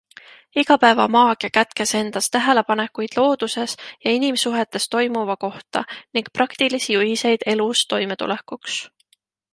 Igapäevamaagia kätkes endas tähelepanekuid looduses ja inimsuhetes toimuva kohta ning praktilisi juhiseid elus toimetulekuks.